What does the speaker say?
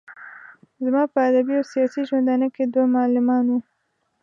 زما په ادبي او سياسي ژوندانه کې دوه معلمان وو.